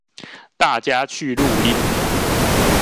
大家去錄音